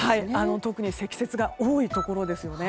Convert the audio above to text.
特に積雪が多いところですよね。